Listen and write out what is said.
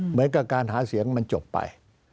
เหมือนกับการหาเสียงมันจบไป